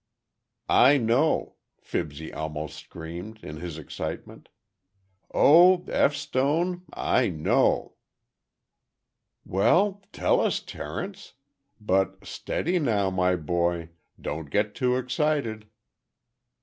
"I know," Fibsy almost screamed, in his excitement. "Oh, F. Stone—I know!" "Well, tell us, Terence—but steady, now, my boy. Don't get too excited."